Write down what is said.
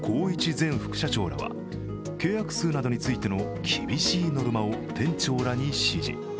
前副社長らは契約数などについての厳しいノルマを店長らに指示。